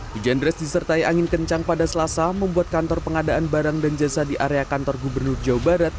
hujan deras disertai angin kencang pada selasa membuat kantor pengadaan barang dan jasa di area kantor gubernur jawa barat